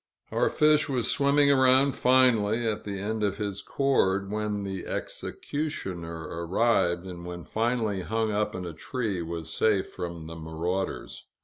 Our fish was swimming around finely, at the end of his cord, when the executioner arrived, and when finally hung up in a tree was safe from the marauders.